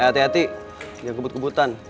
hati hati yang kebut kebutan